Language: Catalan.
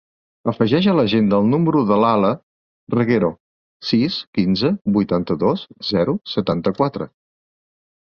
Afegeix a l'agenda el número de l'Alaa Reguero: sis, quinze, vuitanta-dos, zero, setanta-quatre.